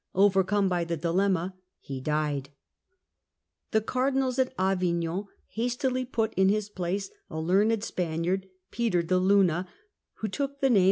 Overcome by the dilemma, he died." The Cardinals at Avignon hastily put in his place a Benedict learned Spaniard, Peter de Luna, who took the name^^.